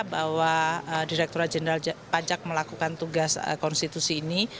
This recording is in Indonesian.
bahwa direkturat jenderal pajak melakukan tugas konstitusi ini